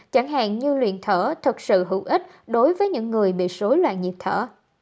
chẳng hạn như luyện thở thật sự hữu ích đối với những người bị sối loạn nhiệt thở